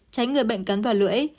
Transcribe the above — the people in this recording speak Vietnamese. tránh người bệnh cắn vào lưỡi